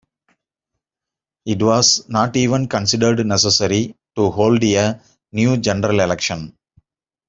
It was not even considered necessary to hold a new general election.